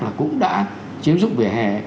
là cũng đã chiếm dụng vỉa hè